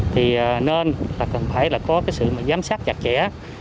thì nên là cần phải có sự giám sát chặt chẽ